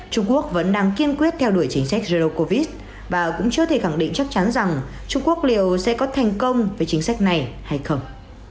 trung quốc vẫn đang kiên quyết theo đuổi chính sách zelo covid và cũng chưa thể khẳng định chắc chắn rằng trung quốc liệu sẽ có thành công với chính sách này hay không